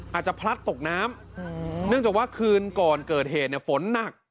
อาจจะพลัดตกน้ำเนื่องจากว่าคืนก่อนเกิดเหตุฝนหนัก